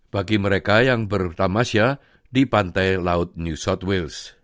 bagi mereka yang berhutamasya di pantai laut new south wales